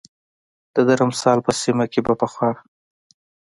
د درمسال په سیمه کې به پخوا